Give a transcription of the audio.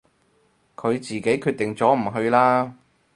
佢自己決定咗唔去啦